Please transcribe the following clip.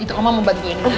itu mama mau bantuin